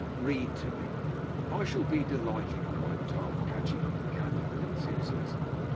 'Read to me.' 'I shall be delighted,' cried Tom, catching up the candle with enthusiasm.